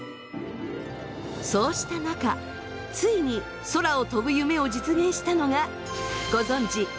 そうした中ついに空を飛ぶ夢を実現したのがご存じ